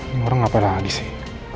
aduh orang apa lagi sih